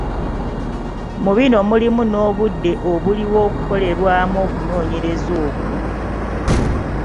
Mu bino mulimu n’obudde obuliwo okukolerwamu okunoonyereza okwo.